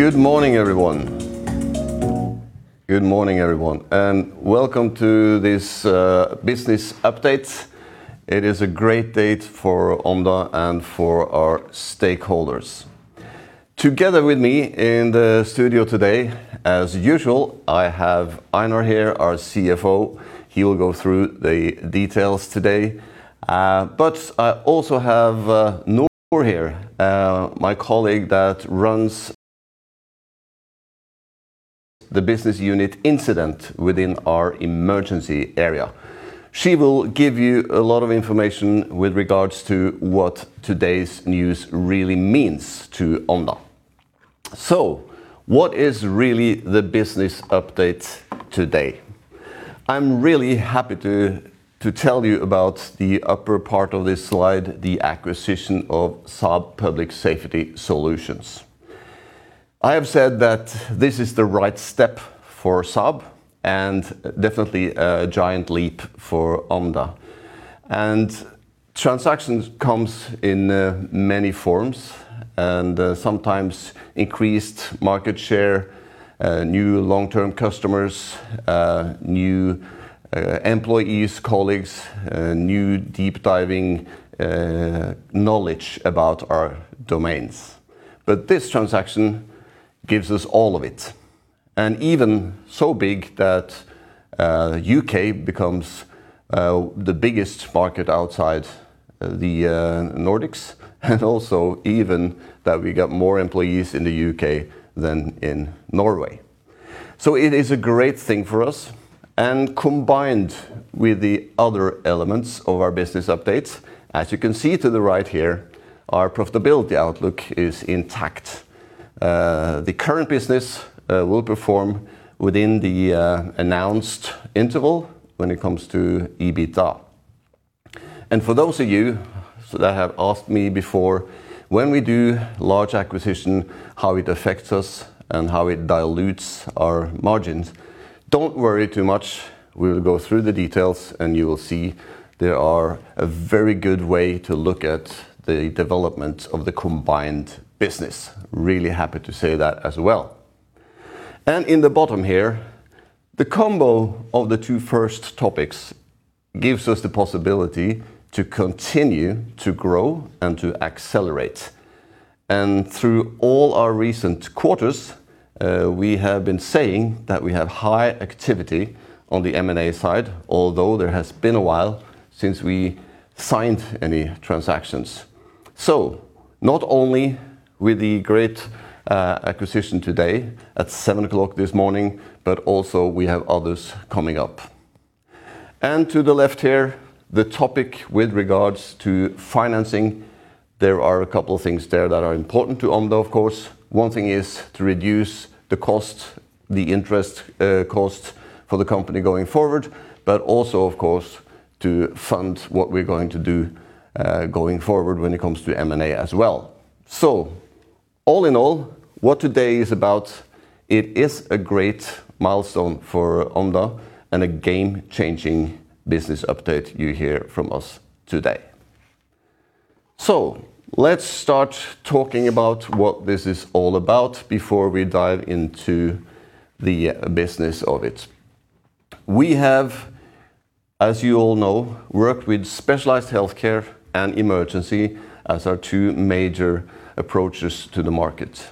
Good morning, everyone. Good morning, everyone, and welcome to this business update. It is a great date for Omda and for our stakeholders. Together with me in the studio today, as usual, I have Einar here, our CFO. He will go through the details today. I also have Noor here, my colleague that runs the Business Unit Incident within our emergency area. She will give you a lot of information with regards to what today's news really means to Omda. What is really the business update today? I am really happy to tell you about the upper part of this slide, the acquisition of Saab Public Safety Solutions. I have said that this is the right step for Saab and definitely a giant leap for Omda. Transactions come in many forms and sometimes increased market share, new long-term customers, new employees, colleagues, new deep-diving knowledge about our domains. This transaction gives us all of it, and even so big that U.K. becomes the biggest market outside the Nordics, and also even that we got more employees in the U.K. than in Norway. It is a great thing for us, and combined with the other elements of our business updates. As you can see to the right here, our profitability outlook is intact. The current business will perform within the announced interval when it comes to EBITDA. For those of you that have asked me before, when we do large acquisition, how it affects us and how it dilutes our margins, don't worry too much. We will go through the details, and you will see there are a very good way to look at the development of the combined business. Really happy to say that as well. In the bottom here, the combo of the two first topics gives us the possibility to continue to grow and to accelerate. Through all our recent quarters, we have been saying that we have high activity on the M&A side, although there has been a while since we signed any transactions. Not only with the great acquisition today at 7:00 A.M. this morning, but also we have others coming up. To the left here, the topic with regards to financing, there are a couple of things there that are important to Omda, of course. One thing is to reduce the cost, the interest cost for the company going forward, but also, of course, to fund what we are going to do, going forward when it comes to M&A as well. All in all, what today is about, it is a great milestone for Omda and a game-changing business update you hear from us today. Let us start talking about what this is all about before we dive into the business of it. We have, as you all know, worked with specialized healthcare and emergency as our two major approaches to the market,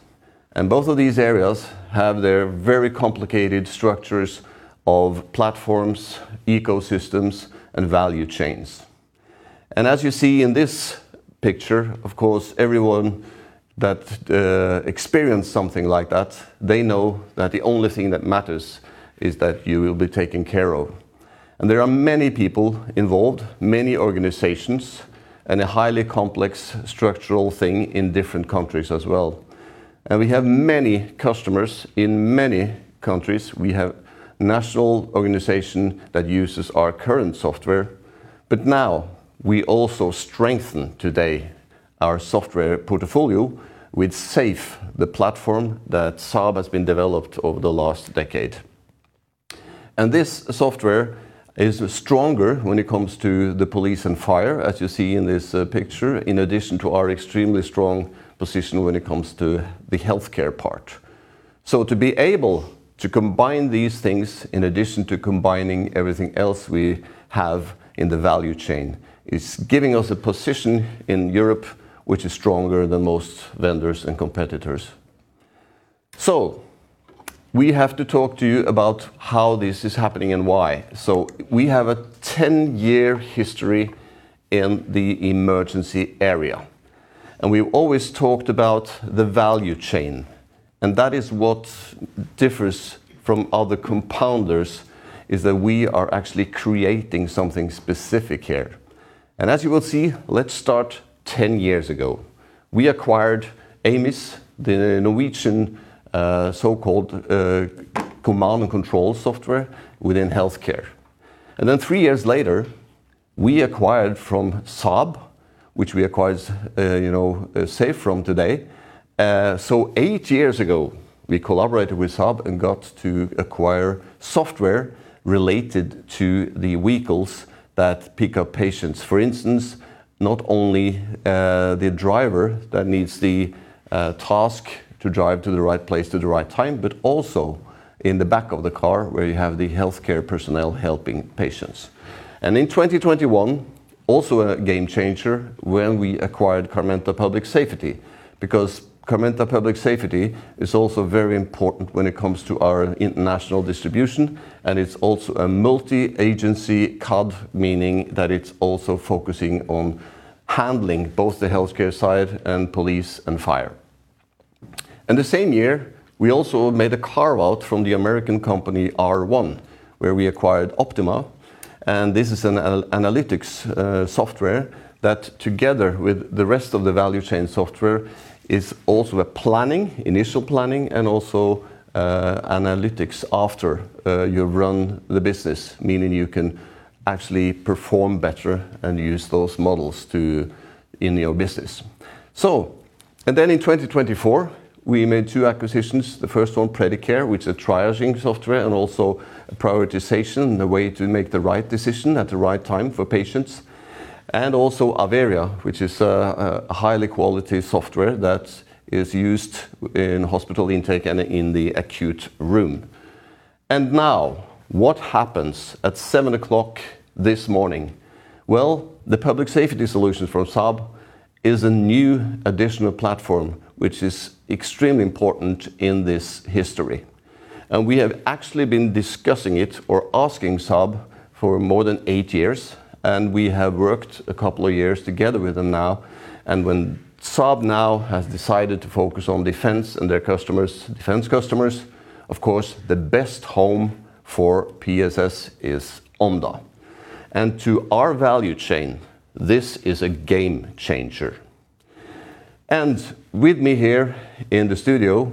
and both of these areas have their very complicated structures of platforms, ecosystems, and value chains. As you see in this picture, of course, everyone that experienced something like that, they know that the only thing that matters is that you will be taken care of. There are many people involved, many organizations, and a highly complex structural thing in different countries as well. We have many customers in many countries. We have national organization that uses our current software, but now we also strengthen today our software portfolio with SAFE, the platform that Saab has been developed over the last decade. This software is stronger when it comes to the police and fire, as you see in this picture, in addition to our extremely strong position when it comes to the healthcare part. To be able to combine these things, in addition to combining everything else we have in the value chain, is giving us a position in Europe which is stronger than most vendors and competitors. We have to talk to you about how this is happening and why. We have a 10-year history in the emergency area, and we always talked about the value chain, and that is what differs from other compounders is that we are actually creating something specific here. As you will see, let's start 10 years ago. We acquired AMIS, the Norwegian so-called command and control software within healthcare. Three years later, we acquired from Saab, which we acquired SAFE from today. Eight years ago we collaborated with Saab and got to acquire software related to the vehicles that pick up patients. For instance, not only the driver that needs the task to drive to the right place at the right time, but also in the back of the car where you have the healthcare personnel helping patients. In 2021, also a game changer when we acquired Carmenta Public Safety, because Carmenta Public Safety is also very important when it comes to our international distribution, and it's also a multi-agency CAD, meaning that it's also focusing on handling both the healthcare side and police and fire. In the same year, we also made a carve-out from the American company R1, where we acquired Optima, and this is an analytics software that together with the rest of the value chain software, is also a planning, initial planning, and also analytics after you run the business. Meaning you can actually perform better and use those models in your business. In 2024, we made two acquisitions. The first one, Predicare, which is a triaging software and also a prioritization and a way to make the right decision at the right time for patients. Also Aweria, which is a high-quality software that is used in hospital intake and in the acute room. Now, what happens at 7:00 A.M. this morning? Well, the Public Safety Solutions from Saab is a new additional platform, which is extremely important in this history. We have actually been discussing it or asking Saab for more than eight years, and we have worked a couple of years together with them now. When Saab now has decided to focus on defense and their defense customers, of course, the best home for PSS is Omda. To our value chain, this is a game changer. With me here in the studio,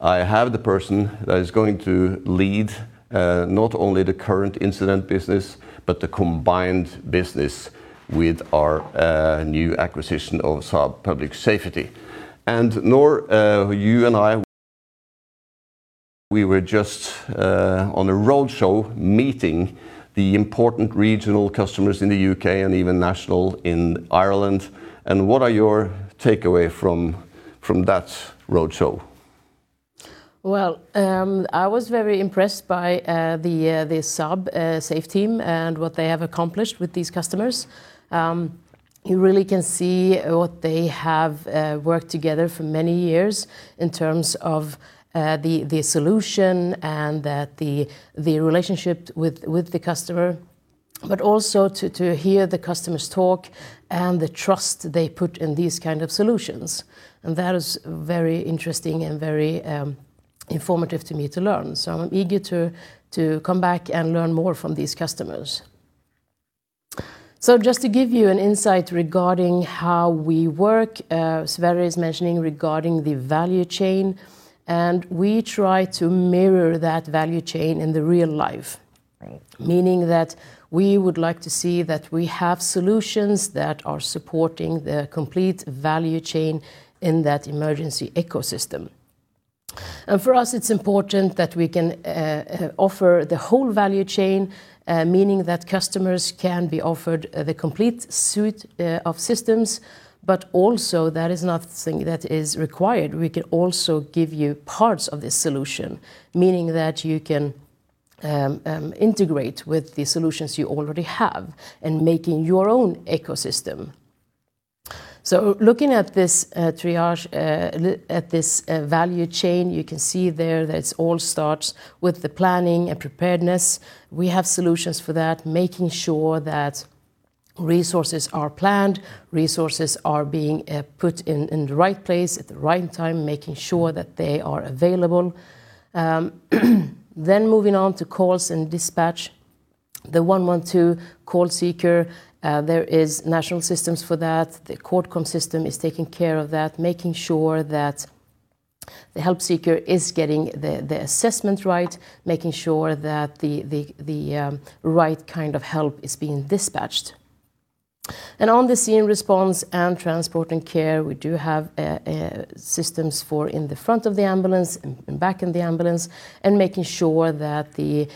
I have the person that is going to lead, not only the current incident business, but the combined business with our new acquisition of Saab Public Safety. Noor, you and I, we were just on a roadshow meeting the important regional customers in the U.K. and even national in Ireland. What are your takeaway from that roadshow? I was very impressed by the Saab SAFE team and what they have accomplished with these customers. You really can see what they have worked together for many years in terms of the solution and that the relationship with the customer, but also to hear the customers talk and the trust they put in these kind of solutions. That is very interesting and very informative to me to learn. I'm eager to come back and learn more from these customers. Just to give you an insight regarding how we work, Sverre is mentioning regarding the value chain, and we try to mirror that value chain in the real life. Meaning that we would like to see that we have solutions that are supporting the complete value chain in that emergency ecosystem. For us, it's important that we can offer the whole value chain, meaning that customers can be offered the complete suite of systems, but also that is not something that is required. We can also give you parts of this solution, meaning that you can integrate with the solutions you already have and making your own ecosystem. Looking at this triage, at this value chain, you can see there that it all starts with the planning and preparedness. We have solutions for that, making sure that resources are planned, resources are being put in the right place at the right time, making sure that they are available. Moving on to calls and dispatch, the 112 call seeker, there is national systems for that. The CoordCom system is taking care of that, making sure that the help seeker is getting the assessment right, making sure that the right kind of help is being dispatched. On the scene response and transport and care, we do have systems for in the front of the ambulance and back in the ambulance and making sure that the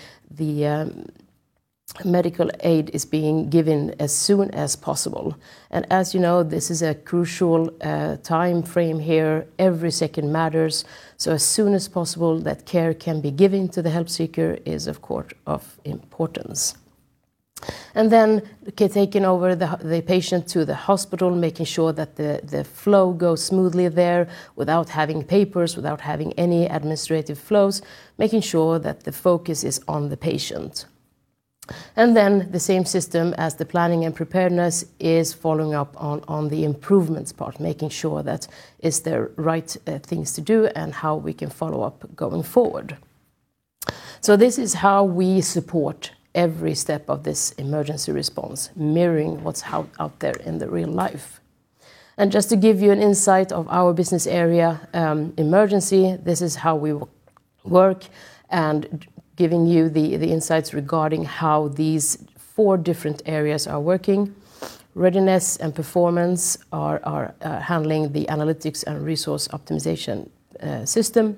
medical aid is being given as soon as possible. As you know, this is a crucial timeframe here. Every second matters, so as soon as possible that care can be given to the help seeker is of course of importance. Then taking over the patient to the hospital, making sure that the flow goes smoothly there without having papers, without having any administrative flows, making sure that the focus is on the patient. Then the same system as the planning and preparedness is following up on the improvements part, making sure that it's the right things to do and how we can follow up going forward. This is how we support every step of this emergency response, mirroring what's out there in the real life. Just to give you an insight of our business area, Omda Emergency, this is how we work and giving you the insights regarding how these four different areas are working. Readiness and performance are handling the analytics and resource optimization system.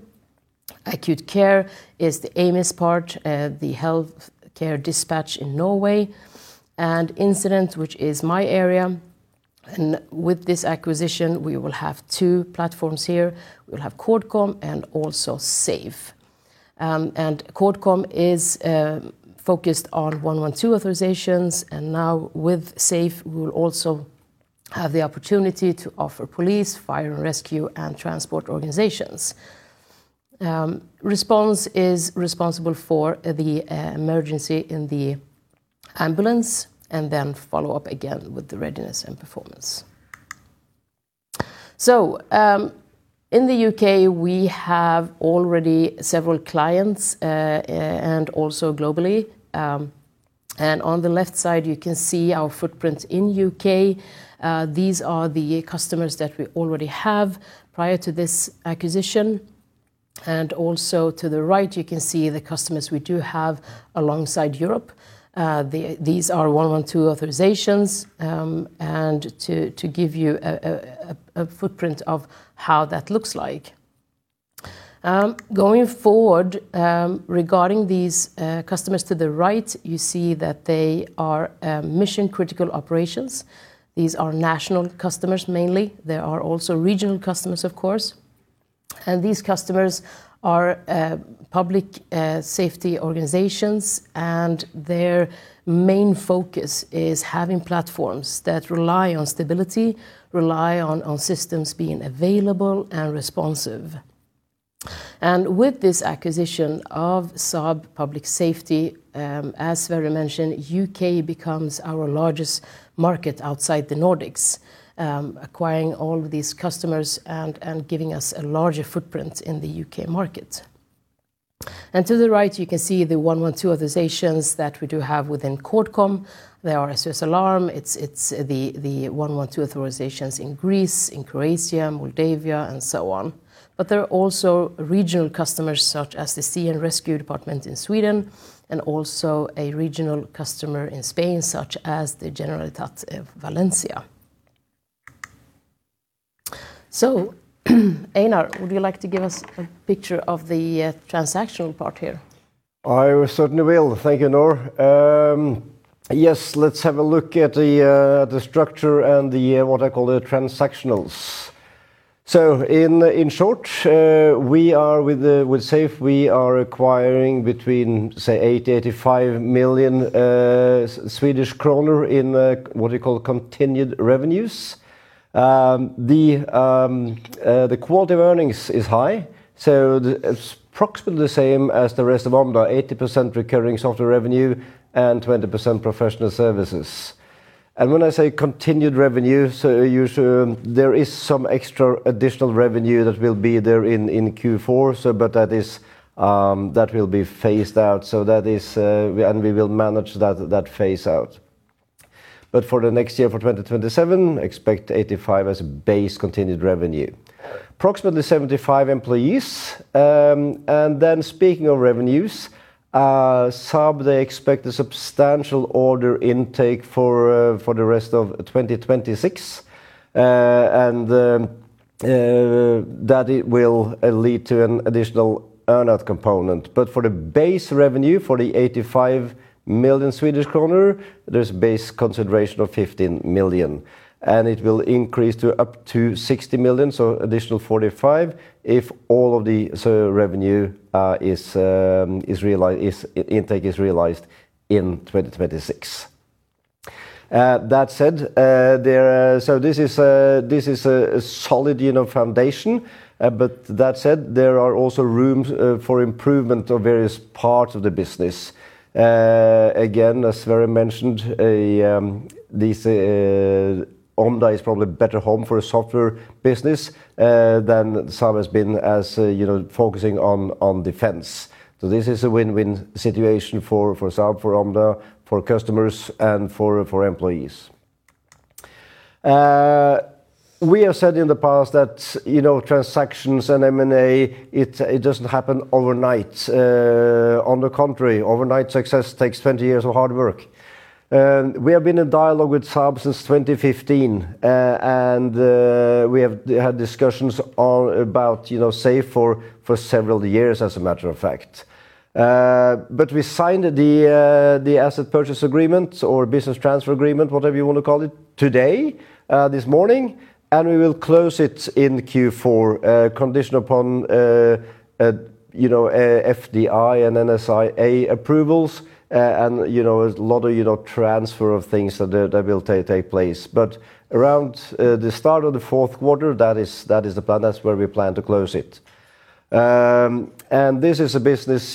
Acute care is the AMIS part, the healthcare dispatch in Norway, and incident, which is my area. With this acquisition, we will have two platforms here. We'll have CoordCom and also SAFE. CoordCom is focused on 112 authorizations, now with SAFE, we will also have the opportunity to offer police, fire and rescue, and transport organizations. Response is responsible for the emergency in the ambulance, then follow up again with the readiness and performance. In the U.K. we have already several clients, also globally. On the left side, you can see our footprint in U.K. These are the customers that we already have prior to this acquisition, also to the right, you can see the customers we do have alongside Europe. These are 112 authorizations, to give you a footprint of how that looks like. Regarding these customers to the right, you see that they are mission-critical operations. These are national customers, mainly. There are also regional customers, of course. These customers are public safety organizations, their main focus is having platforms that rely on stability, rely on systems being available and responsive. With this acquisition of Saab Public Safety, as Sverre mentioned, U.K. becomes our largest market outside the Nordics, acquiring all these customers and giving us a larger footprint in the U.K. market. To the right, you can see the 112 authorizations that we do have within CoordCom. They are SOS Alarm. It is the 112 authorizations in Greece, in Croatia, Moldova, and so on. There are also regional customers such as the Swedish Sea Rescue Society, also a regional customer in Spain, such as the Generalitat Valenciana. Einar, would you like to give us a picture of the transactional part here? I certainly will. Thank you, Noor. Let us have a look at the structure and the, what I call the transactionals. In short, with SAFE, we are acquiring between 80 million-85 million Swedish kronor in what you call continued revenues. The quality of earnings is high, it is approximately the same as the rest of Omda, 80% recurring software revenue and 20% professional services. When I say continued revenue, there is some extra additional revenue that will be there in Q4, but that will be phased out. We will manage that phase out. For the next year, for 2027, expect 85 million as base continued revenue. Approximately 75 employees. Then speaking of revenues, Saab, they expect a substantial order intake for the rest of 2026. That will lead to an additional earn-out component. For the base revenue, for the 85 million Swedish kronor, there is base consideration of 15 million, it will increase to up to 60 million, so additional 45 million if all of the revenue intake is realized in 2026. That said this is a solid foundation. That said, there are also rooms for improvement of various parts of the business. Again, as Sverre mentioned, Omda is probably a better home for a software business than Saab has been as focusing on defense. This is a win-win situation for Saab, for Omda, for customers, and for employees. We have said in the past that transactions and M&A, it does not happen overnight. On the contrary, overnight success takes 20 years of hard work. We have been in dialogue with Saab since 2015. We have had discussions about SAFE for several years, as a matter of fact. We signed the asset purchase agreement or business transfer agreement, whatever you want to call it, today, this morning. We will close it in Q4, conditioned upon FDI and NSIA approvals. A lot of transfer of things that will take place. Around the start of the fourth quarter, that is the plan. That's where we plan to close it. This is a business,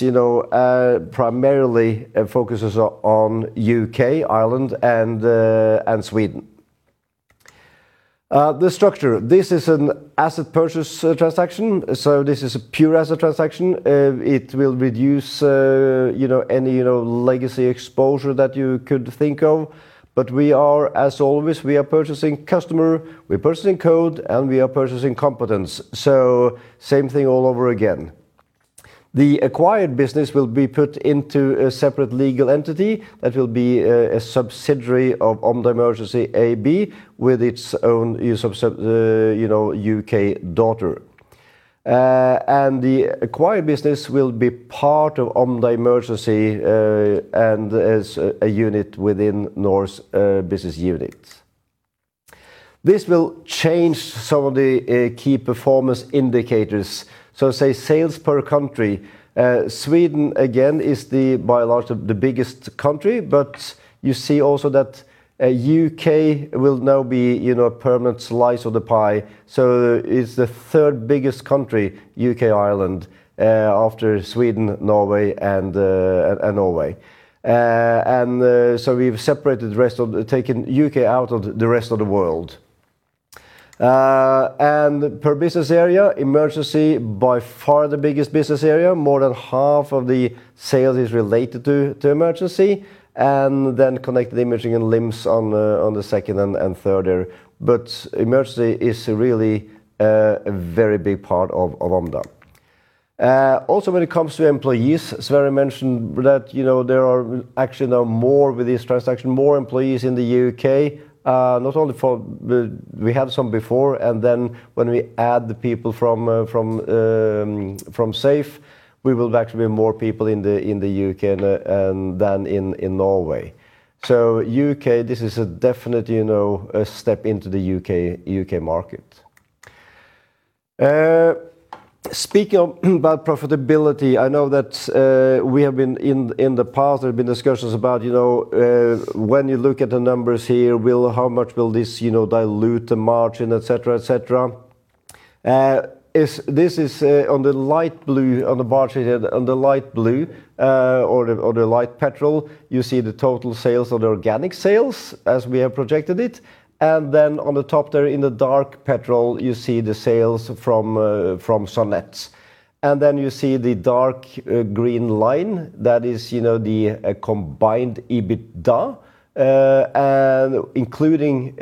primarily it focuses on U.K., Ireland, and Sweden. The structure, this is an asset purchase transaction, so this is a pure asset transaction. It will reduce any legacy exposure that you could think of. We are as always, we are purchasing customer, we're purchasing code, and we are purchasing competence. Same thing all over again. The acquired business will be put into a separate legal entity that will be a subsidiary of Omda Emergency AB with its own U.K. daughter. The acquired business will be part of Omda Emergency and as a unit within Noor's business unit. This will change some of the key performance indicators. Say, sales per country. Sweden, again, is by large the biggest country, but you see also that U.K. will now be a permanent slice of the pie. It's the third biggest country, U.K., Ireland, after Sweden, Norway. We've taken U.K. out of the rest of the world. Per business area, emergency, by far the biggest business area. More than half of the sale is related to emergency, and then Connected Imaging and LIMS on the second and third. Emergency is really a very big part of Omda. Also when it comes to employees, Sverre mentioned that there are actually now more with this transaction, more employees in the U.K. We had some before. When we add the people from SAFE, we will actually be more people in the U.K. than in Norway. U.K., this is a definite step into the U.K. market. Speaking about profitability, I know that in the past, there have been discussions about when you look at the numbers here, how much will this dilute the margin, et cetera. This is on the light blue on the bar chart here, on the light blue or the light petrol, you see the total sales or the organic sales as we have projected it. On the top there in the dark petrol, you see the sales from Saab's. You see the dark green line that is the combined EBITDA, including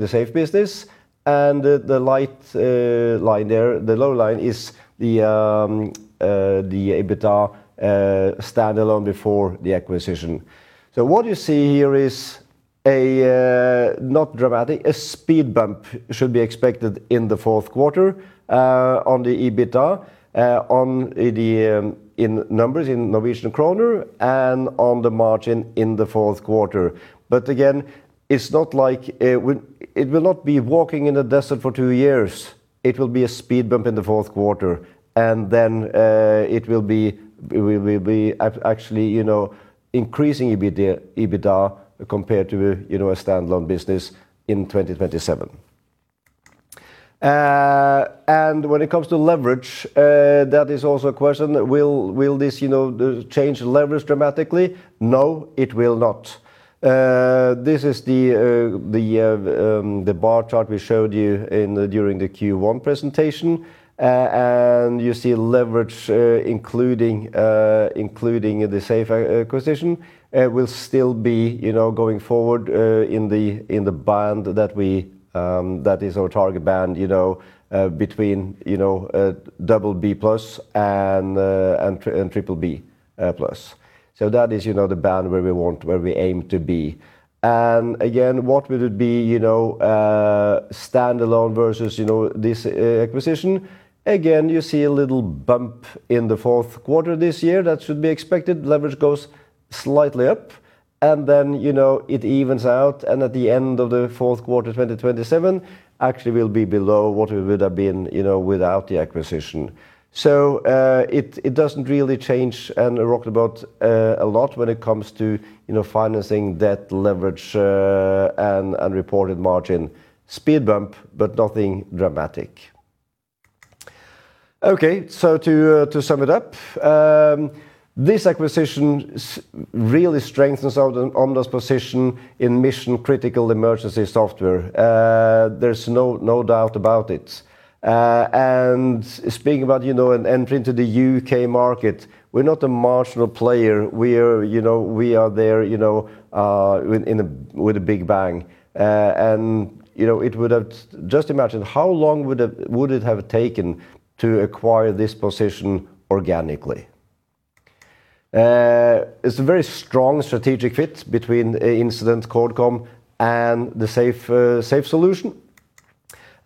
the SAFE business. The light line there, the low line is the EBITDA standalone before the acquisition. What you see here is a not dramatic, a speed bump should be expected in the fourth quarter on the EBITDA, on the numbers in Norwegian kroner and on the margin in the fourth quarter. Again, it will not be walking in the desert for two years. It will be a speed bump in the fourth quarter, and then we will be actually increasing EBITDA compared to a standalone business in 2027. When it comes to leverage, that is also a question. Will this change leverage dramatically? No, it will not. This is the bar chart we showed you during the Q1 presentation. You see leverage including the SAFE acquisition, will still be going forward in the band that is our target band, between BB+ and BBB+. That is the band where we aim to be. Again, what would it be, standalone versus this acquisition? You see a little bump in the fourth quarter this year that should be expected. Leverage goes slightly up and then it evens out and at the end of the fourth quarter 2027 actually will be below what it would have been without the acquisition. It does not really change and rock the boat a lot when it comes to financing debt leverage and reported margin. Speed bump, but nothing dramatic. To sum it up, this acquisition really strengthens Omda's position in mission-critical emergency software. There is no doubt about it. Speaking about an entry into the U.K. market, we are not a marginal player. We are there with a big bang. Just imagine, how long would it have taken to acquire this position organically? It is a very strong strategic fit between Incident CoordCom and the SAFE solution.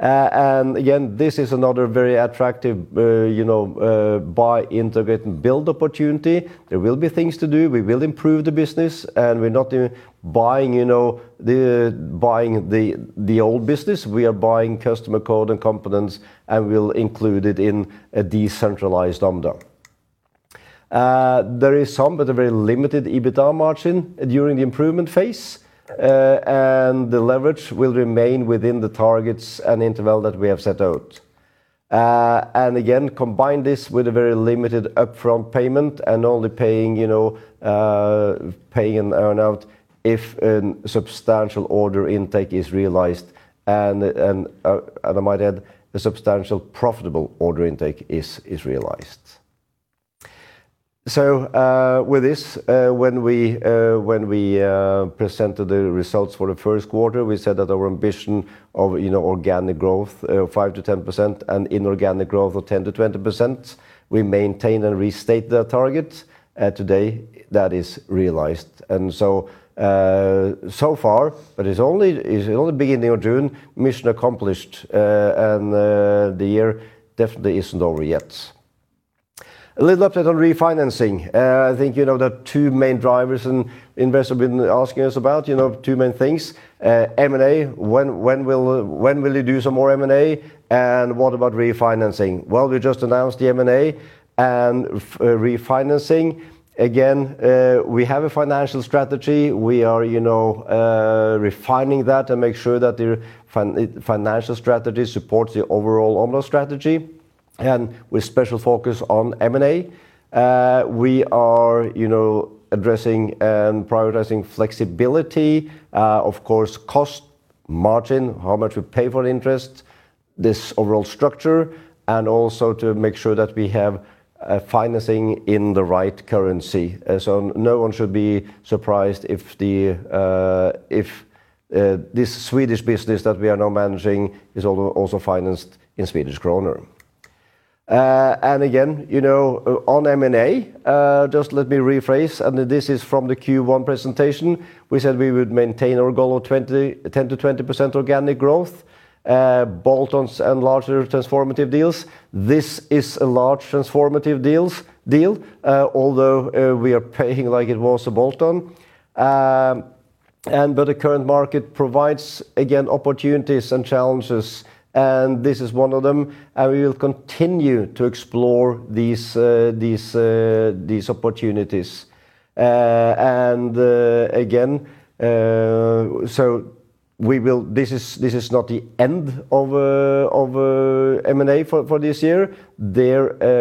Again, this is another very attractive buy, integrate, and build opportunity. There will be things to do. We will improve the business, and we are not buying the old business. We are buying customer code and competence, and we will include it in a decentralized Omda. There is some, but a very limited EBITDA margin during the improvement phase. The leverage will remain within the targets and interval that we have set out. Again, combine this with a very limited upfront payment and only paying an earn-out if a substantial order intake is realized, and I might add, the substantial profitable order intake is realized. With this, when we presented the results for the first quarter, we said that our ambition of organic growth, 5%-10% and inorganic growth of 10%-20%, we maintain and restate the target. Today, that is realized. So far, but it is only the beginning of June, mission accomplished. The year definitely is not over yet. A little update on refinancing. I think the two main drivers and investors have been asking us about two main things. M&A, when will you do some more M&A, and what about refinancing? We just announced the M&A and refinancing. Again, we have a financial strategy. We are refining that and make sure that the financial strategy supports the overall Omda strategy, and with special focus on M&A. We are addressing and prioritizing flexibility, of course, cost, margin, how much we pay for interest, this overall structure, and also to make sure that we have financing in the right currency. No one should be surprised if this Swedish business that we are now managing is also financed in SEK. Again, on M&A, just let me rephrase, and this is from the Q1 presentation. We said we would maintain our goal of 10%-20% inorganic growth, bolt-ons and larger transformative deals. This is a large transformative deal, although we are paying like it was a bolt-on. The current market provides, again, opportunities and challenges, and this is one of them, and we will continue to explore these opportunities. Again, this is not the end of M&A for this year.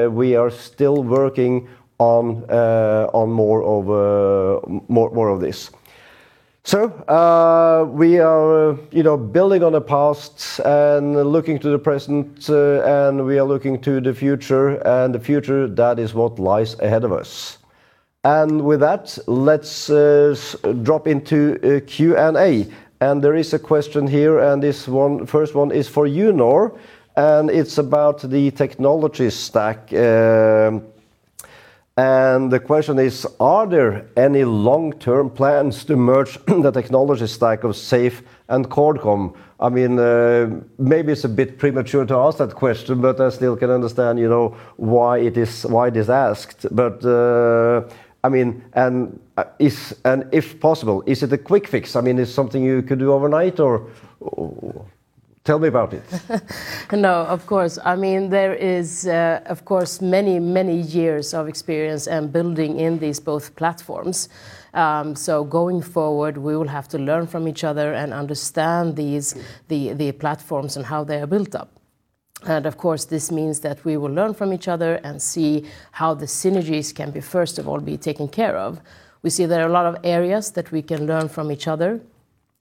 We are still working on more of this. We are building on the past and looking to the present, and we are looking to the future, and the future, that is what lies ahead of us. With that, let us drop into Q&A. There is a question here, and this first one is for you, Noor, and it is about the technology stack. The question is, are there any long-term plans to merge the technology stack of SAFE and CoordCom? Maybe it's a bit premature to ask that question, but I still can understand why it is asked. If possible, is it a quick fix? Is it something you could do overnight, or tell me about it. No, of course. There is, of course, many, many years of experience and building in these both platforms. Going forward, we will have to learn from each other and understand the platforms and how they are built up. Of course, this means that we will learn from each other and see how the synergies can be, first of all, be taken care of. We see there are a lot of areas that we can learn from each other.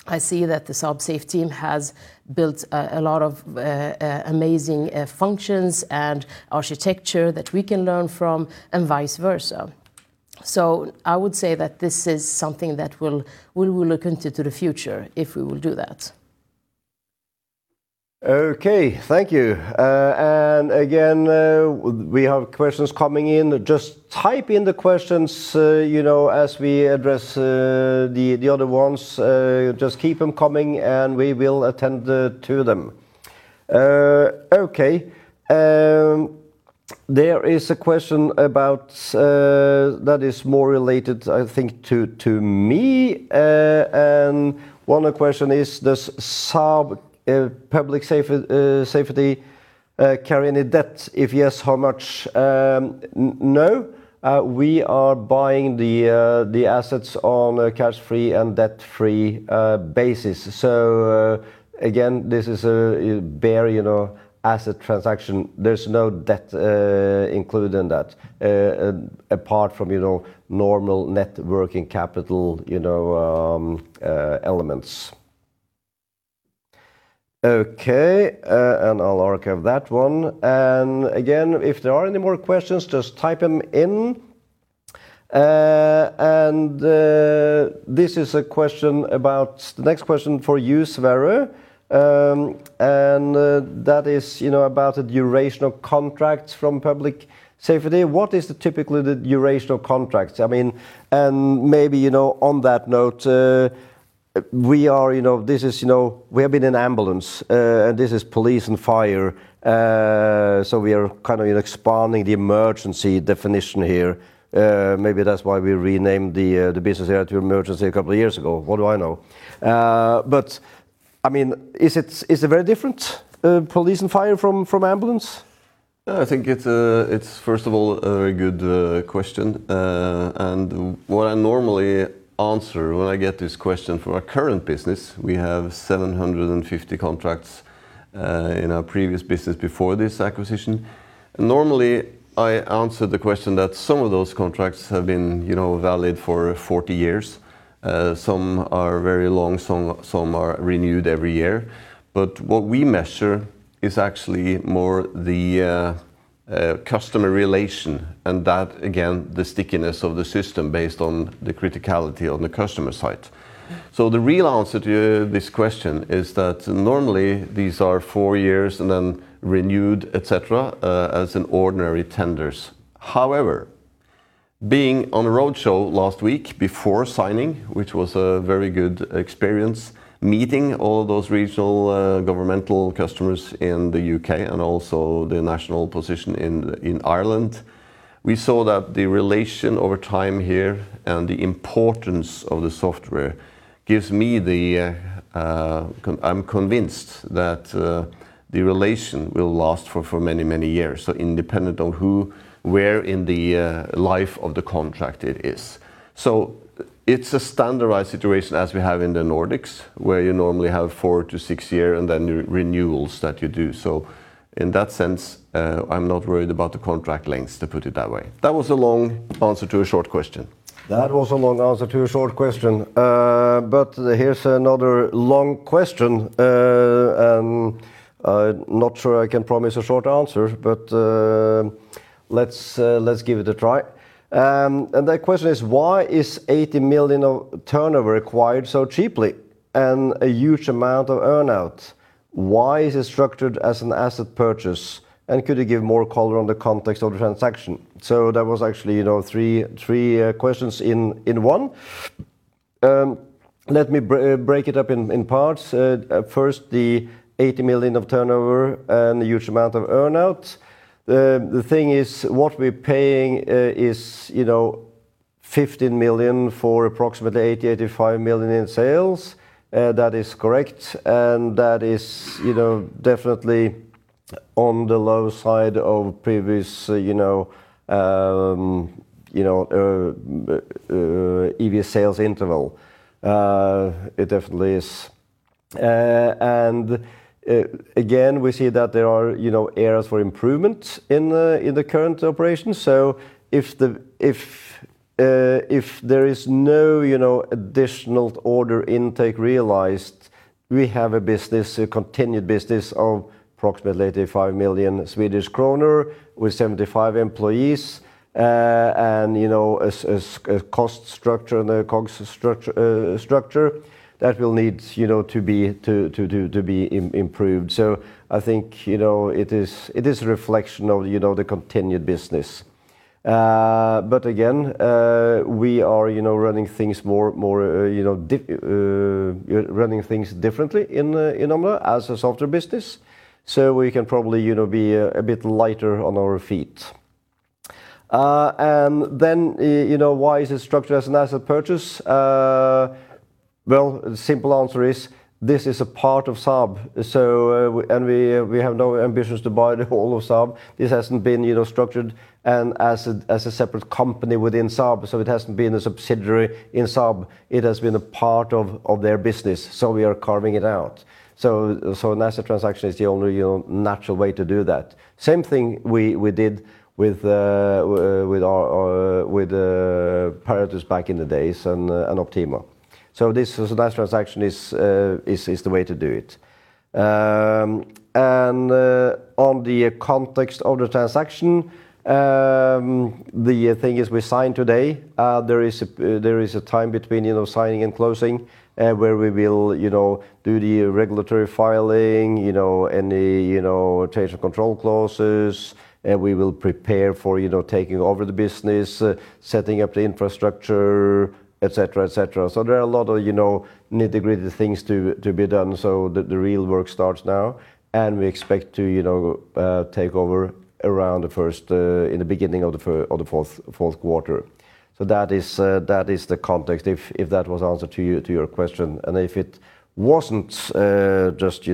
I see that the Saab SAFE team has built a lot of amazing functions and architecture that we can learn from, and vice versa. I would say that this is something that we'll look into the future if we will do that. Okay, thank you. Again, we have questions coming in. Just type in the questions as we address the other ones. Just keep them coming, and we will attend to them. Okay. There is a question that is more related, I think, to me. One question is, does Saab Public Safety carry any debt? If yes, how much? No. We are buying the assets on a cash-free and debt-free basis. Again, this is a bare asset transaction. There's no debt included in that apart from normal net working capital elements. Okay. I'll archive that one. Again, if there are any more questions, just type them in. This is the next question for you, Sverre, and that is about the duration of contracts from Public Safety. What is typically the duration of contracts? Maybe on that note, we have been an ambulance, and this is police and fire. We are kind of expanding the Emergency definition here. Maybe that's why we renamed the business area to Emergency a couple of years ago. What do I know? Is it very different, police and fire from ambulance? I think it's, first of all, a very good question. What I normally answer when I get this question from our current business, we have 750 contracts in our previous business before this acquisition. Normally, I answer the question that some of those contracts have been valid for 40 years. Some are very long, some are renewed every year. What we measure is actually more the customer relation and that, again, the stickiness of the system based on the criticality on the customer side. The real answer to this question is that normally these are four years and then renewed, et cetera, as in ordinary tenders. However, being on a roadshow last week before signing, which was a very good experience, meeting all those regional governmental customers in the U.K. and also the national position in Ireland, we saw that the relation over time here and the importance of the software gives me. I'm convinced that the relation will last for many years. Independent of who, where in the life of the contract it is. It's a standardized situation as we have in the Nordics, where you normally have four to six year and then renewals that you do. In that sense, I'm not worried about the contract lengths, to put it that way. That was a long answer to a short question. That was a long answer to a short question. Here's another long question. I'm not sure I can promise a short answer, but let's give it a try. That question is, "Why is 80 million of turnover acquired so cheaply and a huge amount of earn-out? Why is it structured as an asset purchase? Could you give more color on the context of the transaction?" That was actually three questions in one. Let me break it up in parts. First, the 80 million of turnover and the huge amount of earn-out. The thing is, what we're paying is 15 million for approximately 80, 85 million in sales. That is correct, and that is definitely on the low side of previous EV/Sales interval. It definitely is. Again, we see that there are areas for improvement in the current operation. If there is no additional order intake realized, we have a continued business of approximately 85 million Swedish kronor with 75 employees. A cost structure and a COGS structure that will need to be improved. I think it is a reflection of the continued business. Again, we are running things differently in Omda as a software business. We can probably be a bit lighter on our feet. Then, why is it structured as an asset purchase? Well, the simple answer is this is a part of Saab, and we have no ambitions to buy the whole of Saab. This hasn't been structured as a separate company within Saab, so it hasn't been a subsidiary in Saab. It has been a part of their business, so we are carving it out. An asset transaction is the only natural way to do that. Same thing we did with Paratus back in the days and Optima. This asset transaction is the way to do it. On the context of the transaction, the thing is we sign today. There is a time between signing and closing, where we will do the regulatory filing, any change of control clauses, we will prepare for taking over the business, setting up the infrastructure, et cetera. There are a lot of nitty-gritty things to be done. The real work starts now, and we expect to take over in the beginning of the fourth quarter. That is the context, if that was answer to your question. If it wasn't, just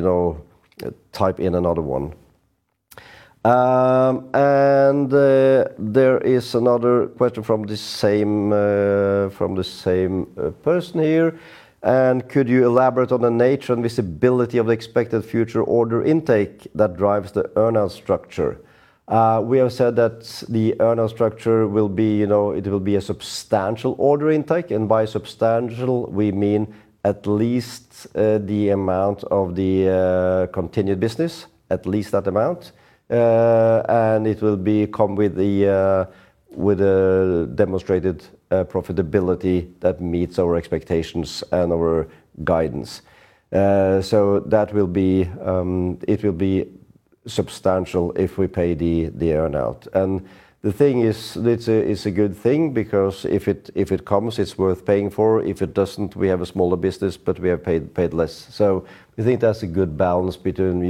type in another one. There is another question from the same person here. Could you elaborate on the nature and visibility of the expected future order intake that drives the earn-out structure?" We have said that the earn-out structure it will be a substantial order intake, by substantial, we mean at least the amount of the continued business, at least that amount. It will come with a demonstrated profitability that meets our expectations and our guidance. It will be substantial if we pay the earn-out. The thing is, it's a good thing because if it comes, it's worth paying for. If it doesn't, we have a smaller business, but we have paid less. We think that's a good balance between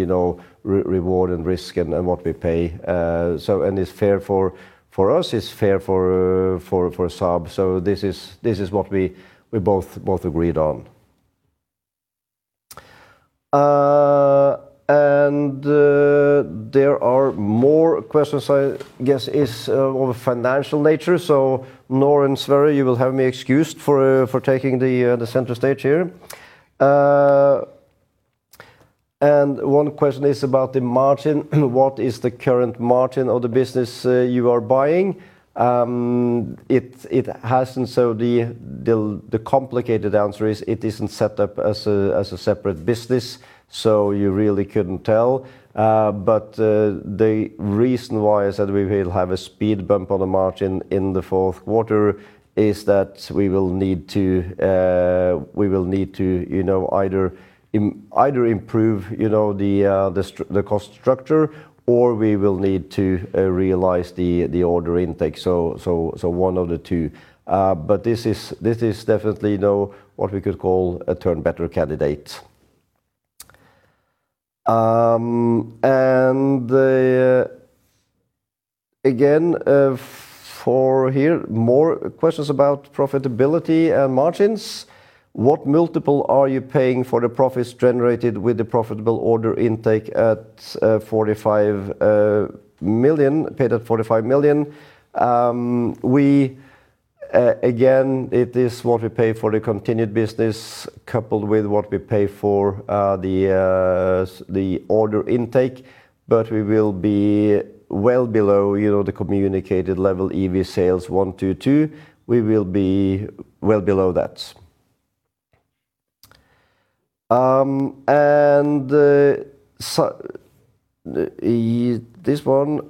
reward and risk and what we pay. It's fair for us, it's fair for Saab. This is what we both agreed on. There are more questions, I guess is of a financial nature. Noor, Sverre, you will have me excused for taking the center stage here. One question is about the margin. What is the current margin of the business you are buying? The complicated answer is it isn't set up as a separate business, you really couldn't tell. The reason why is that we will have a speed bump on the margin in the fourth quarter is that we will need to either improve the cost structure, or we will need to realize the order intake. One of the two. This is definitely what we could call a turnaround candidate. Again, for here, more questions about profitability and margins. What multiple are you paying for the profits generated with the profitable order intake paid at SEK 45 million? Again, it is what we pay for the continued business coupled with what we pay for the order intake, but we will be well below the communicated level EV/Sales 1 to 2. We will be well below that. This one,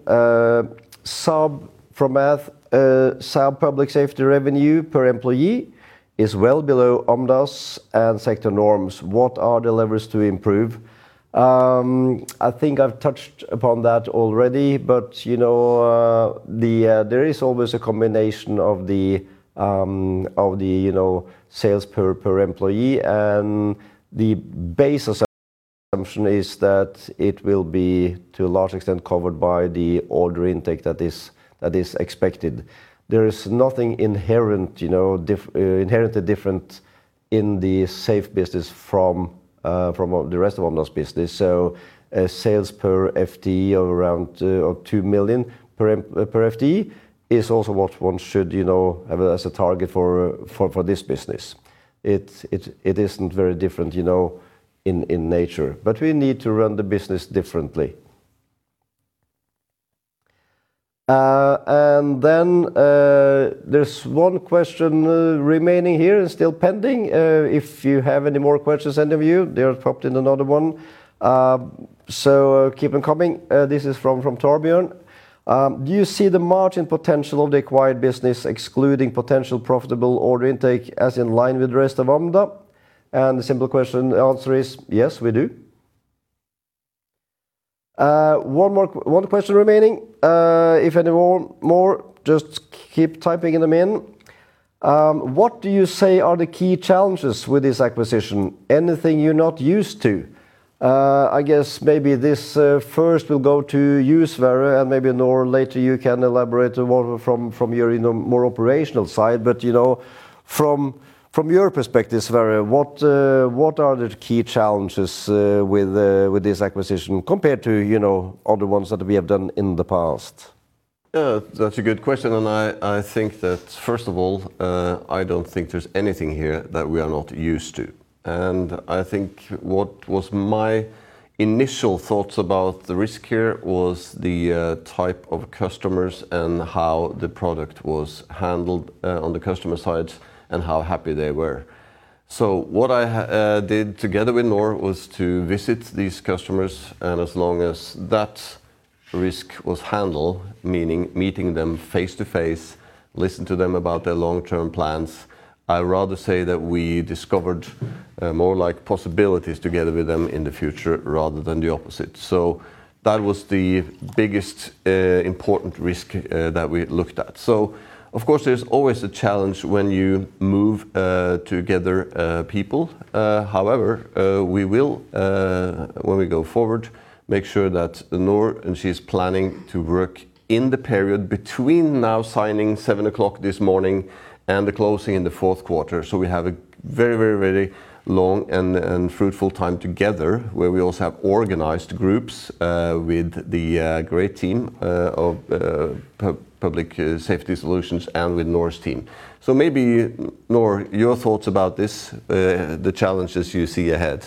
from Mats, Saab Public Safety revenue per employee is well below Omda's and sector norms. What are the levers to improve? I think I've touched upon that already, the base assumption is that it will be, to a large extent, covered by the order intake that is expected. There is nothing inherently different in the SAFE business from the rest of Omda's business. Sales per FTE of around 2 million per FTE is also what one should have as a target for this business. It isn't very different in nature, but we need to run the business differently. There's one question remaining here and still pending. If you have any more questions, any of you, there popped in another one. Keep them coming. This is from Torbjørn. Do you see the margin potential of the acquired business excluding potential profitable order intake as in line with the rest of Omda? The simple answer is yes, we do. One question remaining. If any more, just keep typing them in. What do you say are the key challenges with this acquisition? Anything you're not used to? I guess maybe this first will go to you, Sverre, and maybe, Noor, later you can elaborate more from your more operational side. From your perspective, Sverre, what are the key challenges with this acquisition compared to other ones that we have done in the past? That's a good question, I think that, first of all, I don't think there's anything here that we are not used to. I think what was my initial thoughts about the risk here was the type of customers and how the product was handled on the customer side and how happy they were. What I did together with Noor was to visit these customers, and as long as that risk was handled, meaning meeting them face-to-face, listen to them about their long-term plans. I rather say that we discovered more possibilities together with them in the future rather than the opposite. That was the biggest important risk that we looked at. Of course, there's always a challenge when you move together people. We will, when we go forward, make sure that Noor, she's planning to work in the period between now signing 7:00 A.M. this morning and the closing in the fourth quarter. We have a very long and fruitful time together, where we also have organized groups with the great team of Public Safety Solutions and with Noor's team. Maybe, Noor, your thoughts about this, the challenges you see ahead.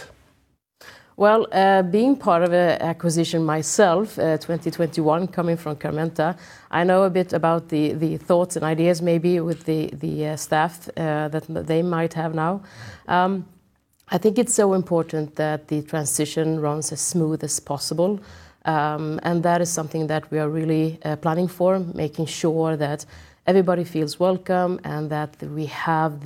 Well, being part of an acquisition myself, 2021, coming from Carmenta, I know a bit about the thoughts and ideas maybe with the staff that they might have now. I think it is so important that the transition runs as smooth as possible. That is something that we are really planning for, making sure that everybody feels welcome and that we have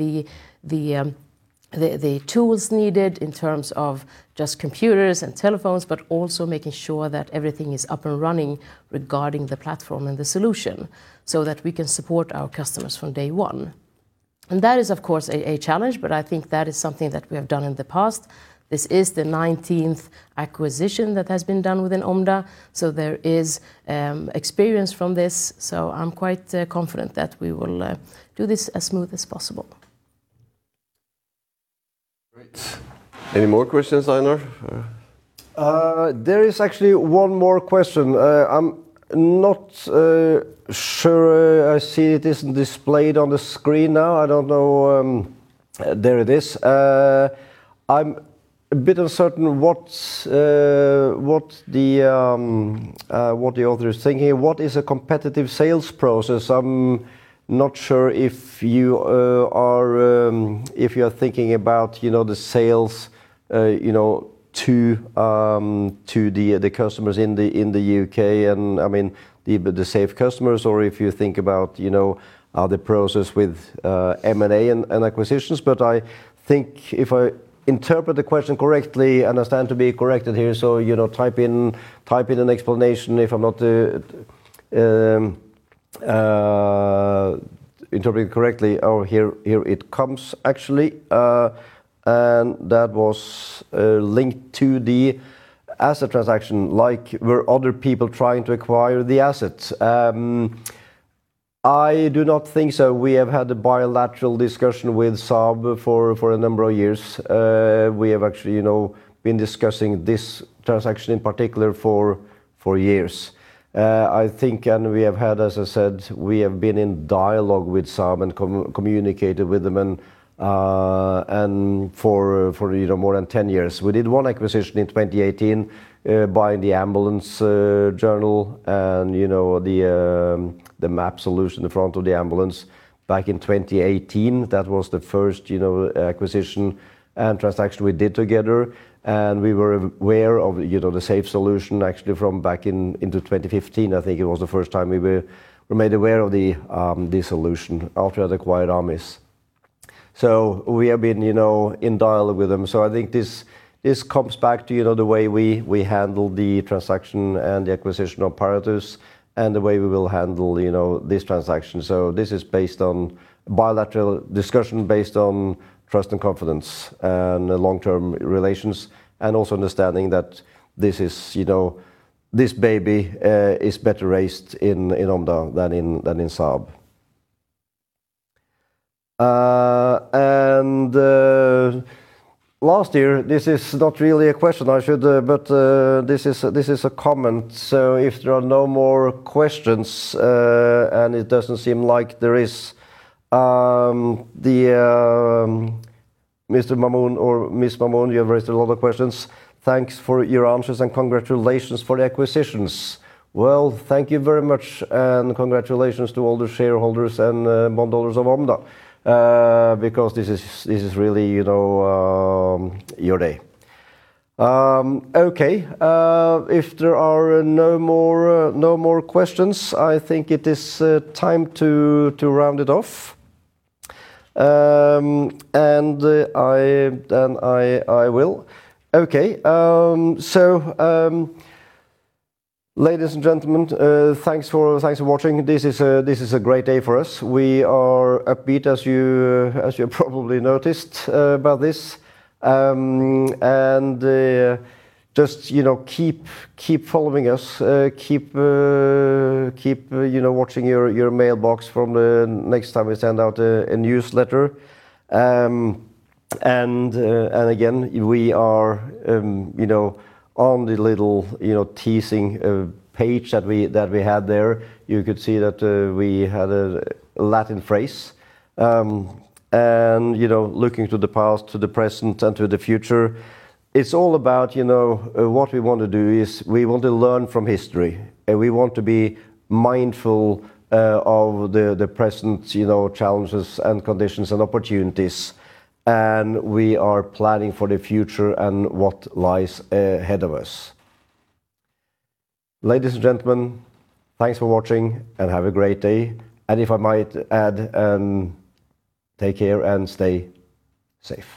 the tools needed in terms of just computers and telephones, but also making sure that everything is up and running regarding the platform and the solution so that we can support our customers from day one. That is, of course, a challenge, but I think that is something that we have done in the past. This is the 19th acquisition that has been done within Omda, there is experience from this. I am quite confident that we will do this as smooth as possible. Great. Any more questions, Einar? There is actually one more question. I am not sure I see it is displayed on the screen now. I do not know. There it is. I am a bit uncertain what the author is thinking. What is a competitive sales process? I am not sure if you are thinking about the sales to the customers in the U.K., and the SAFE customers or if you think about the process with M&A and acquisitions. I think if I interpret the question correctly, and I stand to be corrected here, type in an explanation if I am not interpreting correctly. Oh, here it comes, actually. That was linked to the asset transaction. Like, were other people trying to acquire the assets? I do not think so. We have had a bilateral discussion with Saab for a number of years. We have actually been discussing this transaction in particular for years. I think, we have had, as I said, we have been in dialogue with Saab and communicated with them and for more than 10 years. We did one acquisition in 2018, buying the Ambulance Journal and the map solution at the front of the ambulance back in 2018. That was the first acquisition and transaction we did together, and we were aware of the SAFE solution actually from back in 2015, I think it was the first time we were made aware of the solution after they acquired AMIS. We have been in dialogue with them. I think this comes back to the way we handle the transaction and the acquisition of Paratus and the way we will handle this transaction. This is based on bilateral discussion, based on trust and confidence and long-term relations, and also understanding that this baby is better raised in Omda than in Saab. Last here, this is not really a question I should but this is a comment. If there are no more questions, and it doesn't seem like there is. Mr. Mamoon or Ms. Mamoon, you have raised a lot of questions. "Thanks for your answers and congratulations for the acquisitions." Well, thank you very much and congratulations to all the shareholders and bondholders of Omda because this is really your day. Okay. If there are no more questions, I think it is time to round it off. I will. Okay. Ladies and gentlemen, thanks for watching. This is a great day for us. We are upbeat, as you probably noticed about this. Just keep following us, keep watching your mailbox from the next time we send out a newsletter. Again, we are on the little teasing page that we had there. You could see that we had a Latin phrase, looking to the past, to the present, and to the future, it's all about what we want to do is we want to learn from history, we want to be mindful of the present challenges and conditions and opportunities, we are planning for the future and what lies ahead of us. Ladies and gentlemen, thanks for watching and have a great day. If I might add, take care and stay safe.